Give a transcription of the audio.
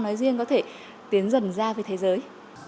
nói riêng có thể tiến dần ra với thế giới